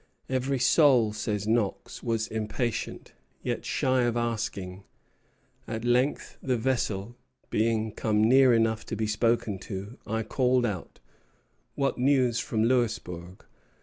"Every soul," says Knox, "was impatient, yet shy of asking; at length, the vessel being come near enough to be spoken to, I called out, 'What news from Louisbourg?'